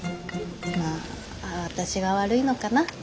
まあ私が悪いのかな。